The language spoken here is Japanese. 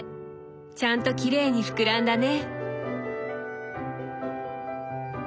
ちゃんときれいに膨らんだね。